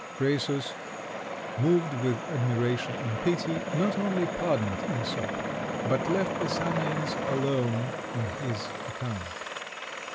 Crœsus, moved with admiration and pity, not only pardoned Æsop, but left the Samians alone on his account.